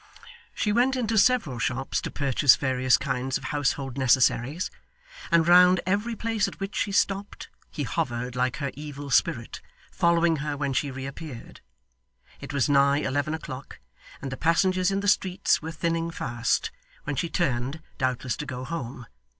She went into several shops to purchase various kinds of household necessaries, and round every place at which she stopped he hovered like her evil spirit; following her when she reappeared. It was nigh eleven o'clock, and the passengers in the streets were thinning fast, when she turned, doubtless to go home.